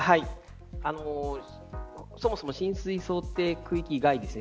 そもそも浸水想定区域外ですね